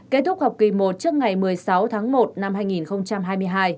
kết thúc học kỳ một trước ngày một mươi sáu tháng một năm hai nghìn hai mươi hai